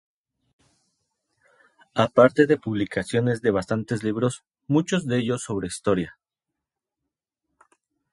A parte de la publicación de bastantes libros, muchos de ellos sobre historia.